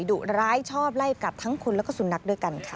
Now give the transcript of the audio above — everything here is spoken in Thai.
ดุร้ายชอบไล่กัดทั้งคนแล้วก็สุนัขด้วยกันค่ะ